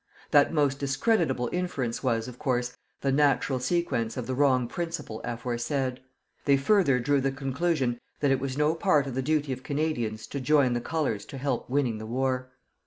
That most discreditable inference was, of course, the natural sequence of the wrong principle aforesaid. They further drew the conclusion that it was no part of the duty of Canadians to join the Colors to help winning the war.